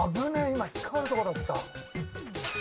今引っ掛かるとこだった。